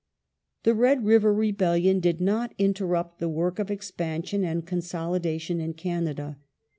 The Red River rebellion did not interrupt the work of expan The Cana sion and consolidation in Canada.